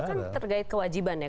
kan terkait kewajiban ya